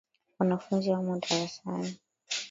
Wanafunzi wamo darasani.